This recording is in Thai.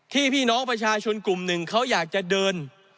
พี่น้องประชาชนกลุ่มหนึ่งเขาอยากจะเดิน